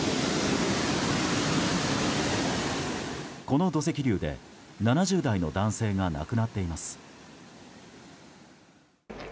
この土石流で７０代の男性が亡くなっています。